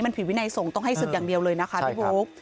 มันผิดวินัยส่งต้องให้ศึกอย่างเดียวเลยนะคะพี่บุ๊ค